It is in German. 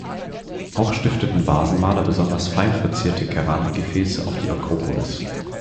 Auch stifteten Vasenmaler besonders fein verzierte Keramikgefäße auf die Akropolis.